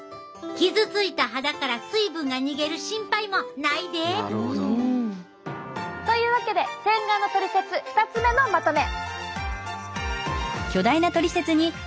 傷ついた肌から水分が逃げる心配もないで。というわけで洗顔のトリセツ２つ目のまとめ。